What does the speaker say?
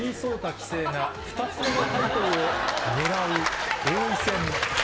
棋聖が２つ目のタイトルを狙う王位戦。